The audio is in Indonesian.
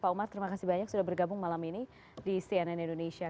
pak umar terima kasih banyak sudah bergabung malam ini di cnn indonesia